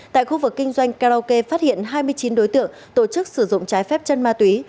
tại khu vực kinh doanh karaoke phát hiện hai mươi chín đối tượng tổ chức sử dụng trái phép chân ma túy